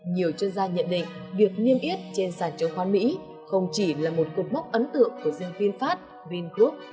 nhiều chuyên gia nhận định việc niêm yết trên sản châu khoan mỹ không chỉ là một cuộc mốc ấn tượng của riêng vinfast vingroup